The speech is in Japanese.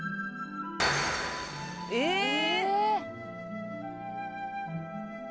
「えっ？」